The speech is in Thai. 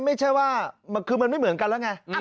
ไม่ใช่ว่าคือมันไม่เหมือนกันแล้วไง